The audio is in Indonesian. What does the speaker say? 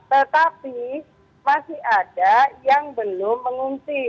tetapi masih ada yang belum mengungsi